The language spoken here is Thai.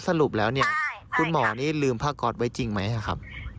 เรามีหนักงี่กันนัดธนายคุยกันเรียบร้อยแล้วค่ะ